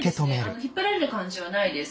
引っ張られる感じはないです。